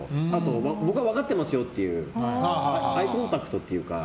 僕は分かってますよというアイコンタクトというか。